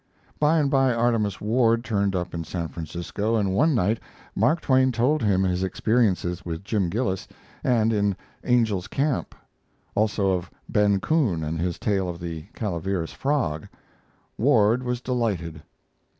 By and by Artemus Ward turned up in San Francisco, and one night Mark Twain told him his experiences with Jim Gillis, and in Angel's Camp; also of Ben Coon and his tale of the Calaveras frog. Ward was delighted.